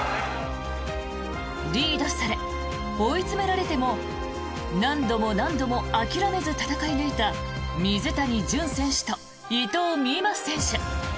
リードされ、追い詰められても何度も何度も諦めず戦い抜いた水谷隼選手と伊藤美誠選手。